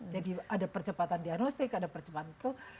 jadi ada percepatan diagnostik ada percepatan itu